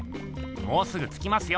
もうすぐつきますよ。